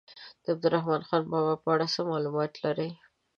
د عبدالرحمان بابا په اړه څه معلومات لرئ.